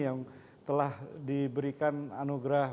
yang telah diberikan anugerah